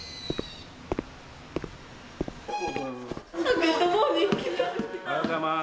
おはようございます。